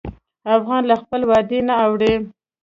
افغان له خپل وعدې نه اوړي.